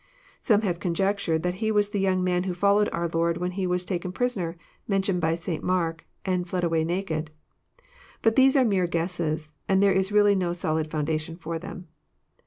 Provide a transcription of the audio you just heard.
— Some have conjectured that he is the young man who followed our Lord when he was taken prisoner, mentioned by St. Mark, and fled away naked.— But these are mere guesses, and there is really no solid foundation for them.